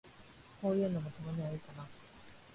こういうのも、たまにはいいかな。